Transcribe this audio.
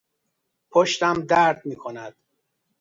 پشتم درد میکند.